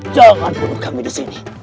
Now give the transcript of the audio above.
jangan bunuh kami di sini